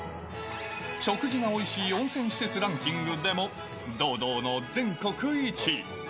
食事がおいしい温泉施設ランキングでも、堂々の全国１位。